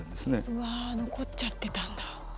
うわ残っちゃってたんだ。